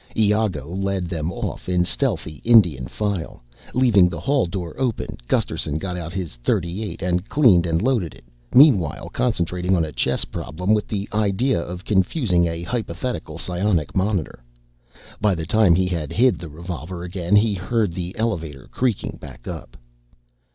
Iago led them off in stealthy Indian file. Leaving the hall door open Gusterson got out his .38 and cleaned and loaded it, meanwhile concentrating on a chess problem with the idea of confusing a hypothetical psionic monitor. By the time he had hid the revolver again he heard the elevator creaking back up.